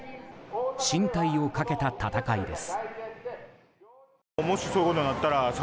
進退をかけた戦いです。